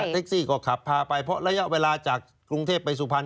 ซี่ก็ขับพาไปเพราะระยะเวลาจากกรุงเทพไปสุพรรณ